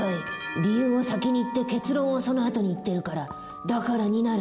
理由を先に言って結論をそのあとに言ってるから「だから」になる。